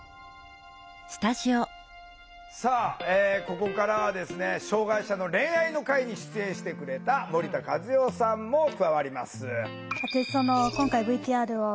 さあここからはですね「障害者の恋愛」の回に出演してくれた森田かずよさんも加わります。